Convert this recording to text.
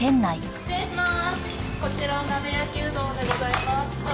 失礼致します。